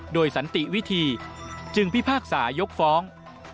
โดยสันติวิธีจึงพิพากษายกฟ้อง